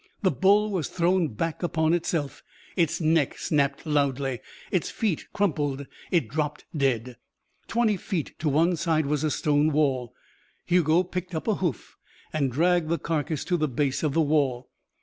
The bull was thrown back upon itself. Its neck snapped loudly. Its feet crumpled; it dropped dead. Twenty feet to one side was a stone wall. Hugo picked up a hoof and dragged the carcass to the base of the wall.